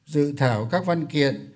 dự thảo các văn kiện